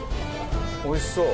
おいしそう！